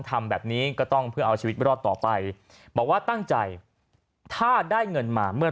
ทำแบบนี้ก็ต้องเพื่อเอาชีวิตรอดต่อไปบอกว่าตั้งใจถ้าได้เงินมาเมื่อ